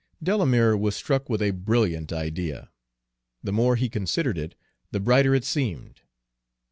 Delamere was struck with a brilliant idea. The more he considered it, the brighter it seemed.